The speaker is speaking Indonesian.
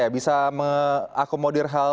bisa mengakomodir hal